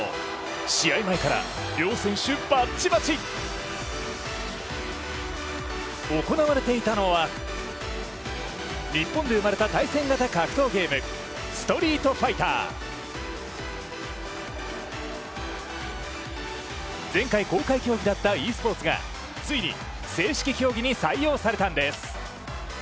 試合前から両選手バッチバチ。行われていたのは日本で生まれた対戦型格闘ゲーム「ＳＴＲＥＥＴＦＩＧＨＴＥＲ」前回、公開競技だったｅスポーツがついに、正式競技に採用されたんです。